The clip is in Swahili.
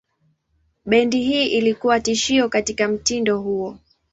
Bendi hii ilikuwa tishio katika mtindo huo.